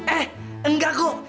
eh enggak kok